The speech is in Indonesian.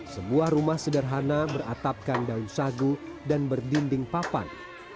sebuah rumah sederhana beratapkan daun sagu dan berdinding papan